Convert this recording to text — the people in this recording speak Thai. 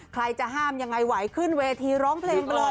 ใครจะห้ามยังไงไหวขึ้นเวทีร้องเพลงไปเลย